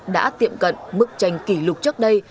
đã tiệm cận mức tranh kỷ lục trước đây